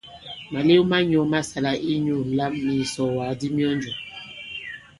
Màlew ma nyɔ̄ ma sāla inyū ǹlam nì ìsɔ̀ɔ̀wàk di myɔnjɔ̀.